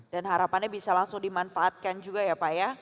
dan harapannya bisa langsung dimanfaatkan juga ya pak ya